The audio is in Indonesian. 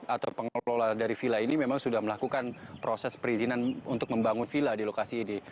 atau pengelola dari villa ini memang sudah melakukan proses perizinan untuk membangun villa di lokasi ini